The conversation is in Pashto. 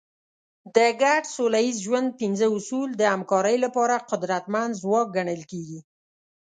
د ګډ سوله ییز ژوند پنځه اصول د همکارۍ لپاره قدرتمند ځواک ګڼل کېږي.